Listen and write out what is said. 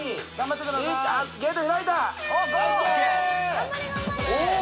「頑張れ頑張れ！」